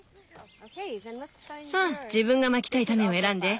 さあ自分がまきたい種を選んで。